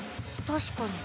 確かに。